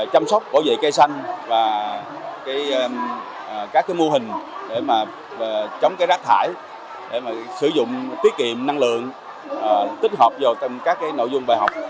chăm sóc bảo vệ cây xanh và các mô hình để chống rác thải sử dụng tiết kiệm năng lượng tích hợp vào các nội dung bài học